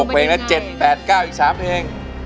เพลงละ๗๘๙อีก๓เพลง